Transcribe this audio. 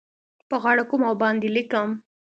په غاړه کوم او باندې لیکم